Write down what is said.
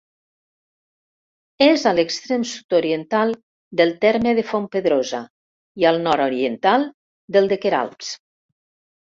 És a l'extrem sud-oriental del terme de Fontpedrosa i al nord-oriental del de Queralbs.